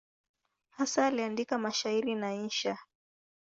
Hasa aliandika mashairi na insha.